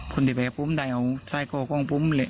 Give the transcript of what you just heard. คนที่ไปกับผมได้เอาไซค์ของผม